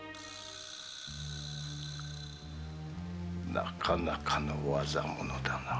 なかなかの業物だな。